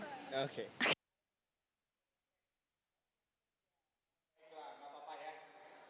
gak apa apa ya